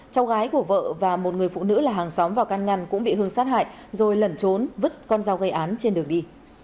cháu gái của vợ và một người phụ nữ là hàng xóm vào căn ngăn cũng bị hương sát hại rồi lẩn trốn vứt con dao gây án trên đường đi